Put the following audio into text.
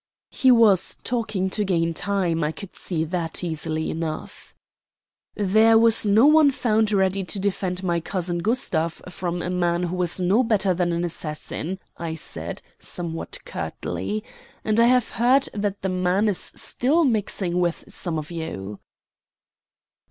He was talking to gain time, I could see that easily enough. "There was no one found ready to defend my cousin Gustav from a man who was no better than an assassin," I said, somewhat curtly. "And I have heard that the man is still mixing with some of you."